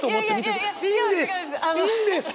いいんです！